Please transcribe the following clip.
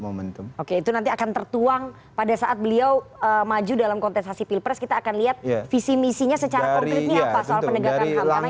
momentum oke itu nanti akan tertuang pada saat beliau maju dalam kontestasi pilpres kita akan lihat visi misinya secara konkretnya apa soal penegakan ham